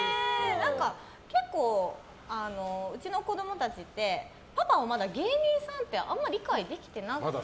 結構、うちの子供たちってパパをまだ芸人さんってまだ理解してなくって。